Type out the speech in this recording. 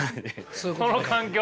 その環境？